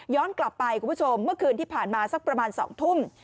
กลับไปคุณผู้ชมเมื่อคืนที่ผ่านมาสักประมาณ๒ทุ่ม